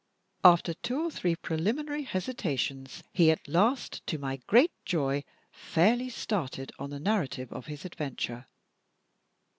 After two or three preliminary hesitations, he at last, to my great joy, fairly started on the narrative of his adventure.